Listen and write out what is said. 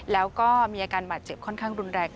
แล้วก็มีอาการบาดเจ็บค่อนข้างรุนแรง